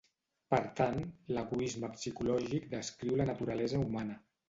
Per tant, l'egoisme psicològic descriu la naturalesa humana.